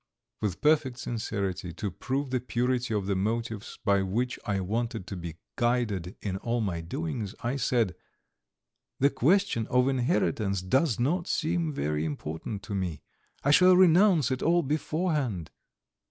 With perfect sincerity to prove the purity of the motives by which I wanted to be guided in all my doings, I said: "The question of inheritance does not seem very important to me. I shall renounce it all beforehand."